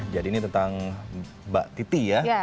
jadi ini tentang mbak titi ya